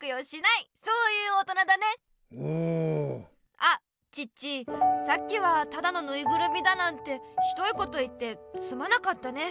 あチッチさっきはただのぬいぐるみだなんてひどいこと言ってすまなかったね。